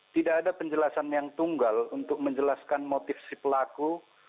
tidak ada penjelasan yang tunggal untuk menjelaskan motif si pelaku